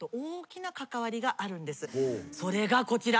それがこちら。